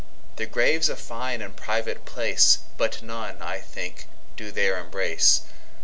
The Grave's a fine and private place, But none I think do there embrace.